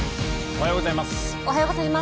おはようございます。